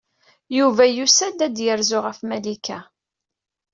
Yuba yusa-d ad yerzu ɣer Malika.